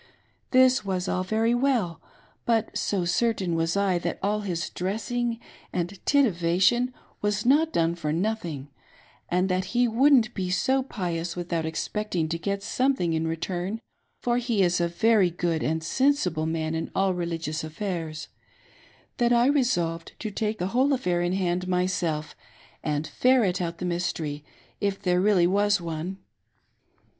This was all very well ; but so cer tain was I that all his dressing and titivation was not done for nothing, and that he wouldn't be so pious without expecting to get something in return — for he is a very good and sensible man in all religious matters — that I resolved to take the whole affair in hand .myself, and ferret out the mystery, if there really was one.